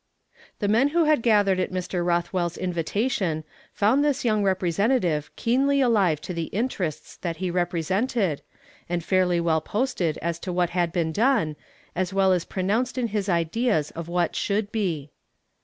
The men who had gathered at Mr. Rothweirs invitation found this young representative keenly alive to the interests that he represented, and fairly well posted as to what hr.d been done, as well as pronounced hi his ideas of what should bo.